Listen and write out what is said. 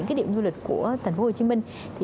cái điểm du lịch của thành phố hồ chí minh